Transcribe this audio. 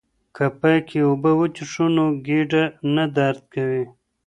که پاکې اوبه وڅښو نو ګېډه نه درد کوي.